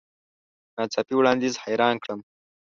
نا څاپي وړاندیز حیران کړم .